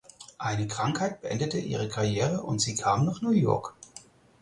Eine Krankheit beendete ihre Karriere und sie kam nach New York.